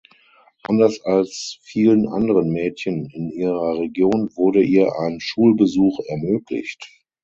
Anders als vielen anderen Mädchen in ihrer Region wurde ihr ein Schulbesuch ermöglicht.